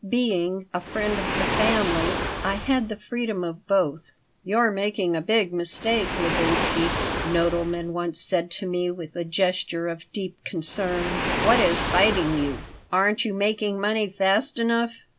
Being "a friend of the family," I had the freedom of both "You're making a big mistake, Levinsky," Nodelman once said to me, with a gesture of deep concern. "What is biting you? Aren't you making money fast enough?